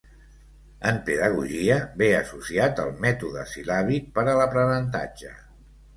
En pedagogia ve associat al mètode sil·làbic per a l'aprenentatge.